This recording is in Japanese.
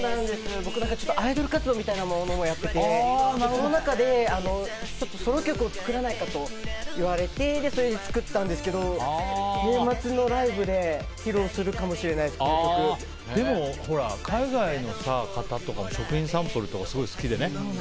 僕、アイドル活動みたいなものもやっててその中でソロ曲を作らないかと言われてそれで作ったんですけど年末のライブででも、海外の方とかも食品サンプルとかすごい好きでね。